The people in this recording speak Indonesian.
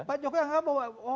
pak jokowi yang ngakak bahwa